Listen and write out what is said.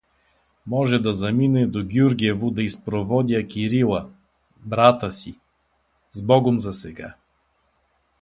Може да замина и до Гюргево да изпроводя Кирила (брата си)… Сбогом засега!